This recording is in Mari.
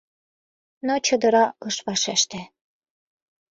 Но чодыра ыш вашеште.